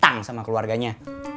tentang sama keluarganya